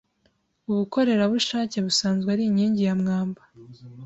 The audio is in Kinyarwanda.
ubukorerabushake, busanzwe ari inkingi ya mwamba